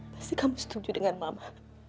pasti kamu setuju dengan mama